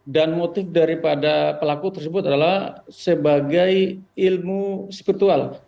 dan motif daripada pelaku tersebut adalah sebagai ilmu spiritual